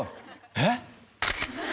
えっ？